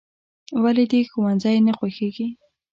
"ولې دې ښوونځی نه خوښېږي؟"